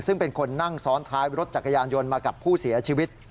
ซึ่งเป็นคนนั่งซ้อนท้ายรถจักรยานยนต์มากับผู้เสียชีวิต